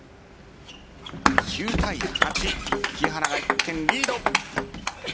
９対８、木原が１点リード。